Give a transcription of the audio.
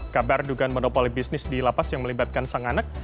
kabar dugaan monopoli bisnis di lapas yang melibatkan sang anak